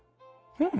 うん。